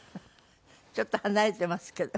ちょっと離れていますけど。